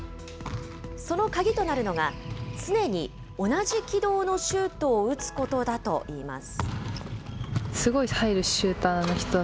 その鍵となるのが、常に同じ軌道のシュートを打つことだといいます。